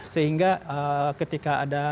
sehingga ketika ada